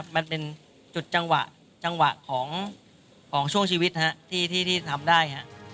มันเป็นจุดจังหวะจังหวะของช่วงชีวิตที่ทำได้